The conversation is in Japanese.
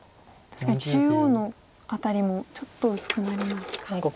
確かに中央の辺りもちょっと薄くなりますか。